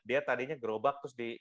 dia tadinya gerobak terus di